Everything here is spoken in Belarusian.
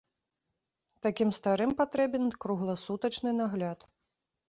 Такім старым патрэбен кругласутачны нагляд.